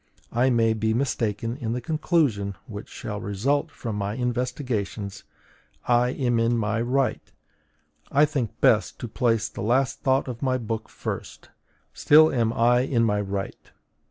I may be mistaken in the conclusion which shall result from my investigations: I am in my right. I think best to place the last thought of my book first: still am I in my right.